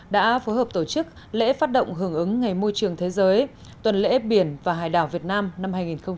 đã phối hợp tổ chức lễ phát động hưởng ứng ngày môi trường thế giới tuần lễ biển và hải đảo việt nam năm hai nghìn hai mươi